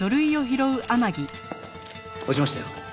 落ちましたよ。